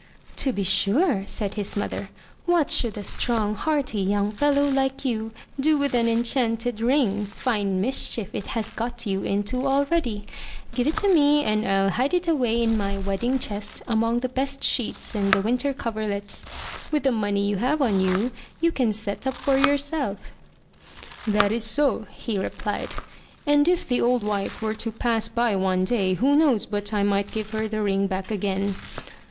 "To be sure!" said his mother. "What should a strong, hearty young fellow like you do with an enchanted ring? Fine mischief it has got you into already! Give it to me, and I'll hide it away in my wedding chest among the best sheets and the winter coverlets. With the money you have on you, you can set up for yourself." "That is so," he replied, "And if the old wife were to pass by one day, who knows but I might give her the ring back again."